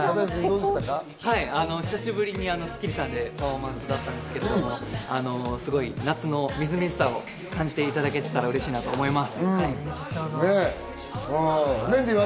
久しぶりにパフォーマンスだったんですけれども、夏のみずみずしさを感じていただけていたら嬉しいなと思います。